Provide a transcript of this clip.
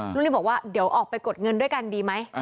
ลูกนี้บอกว่าเดี๋ยวออกไปกดเงินด้วยกันดีไหม